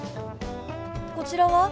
こちらは？